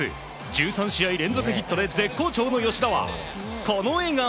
１３試合連続ヒットで絶好調の吉田はこの笑顔。